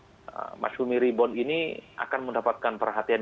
sekiranya mas humi ribon ini akan mendapatkan perhatian